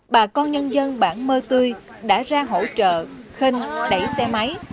bà con nhân dân bản mơ tươi đã ra hỗ trợ kinh đẩy xe máy